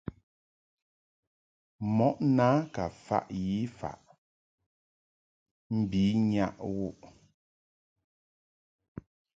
Mɔʼ na ka faʼ yi faʼ mbi nyaʼ wu ;g.